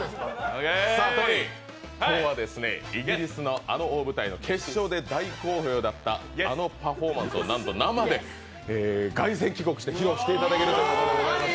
さあ、トニー、今日はイギリスのあの大舞台の決勝で大好評だった、あのパフォーマンスをなんと生で凱旋帰国して披露していただけるということです。